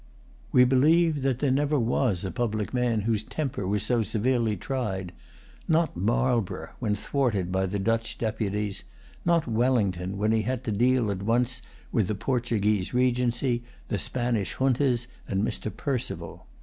We believe that there never was a public man whose temper was so severely tried; not Marlborough, when thwarted by the Dutch Deputies: not Wellington, when he had to deal at once with the Portuguese Regency, the Spanish Juntas, and Mr. Perceval.